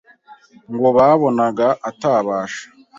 ngo babonaga atabasha